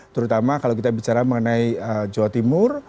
terutama kalau kita bicara mengenai jawa timur